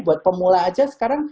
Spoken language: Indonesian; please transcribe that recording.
buat pemula aja sekarang